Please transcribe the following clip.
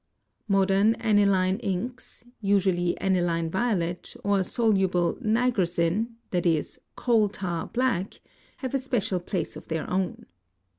Modern aniline inks (usually aniline violet or soluble nigrosine, 7.e., in coal tar black) have a special place of their own.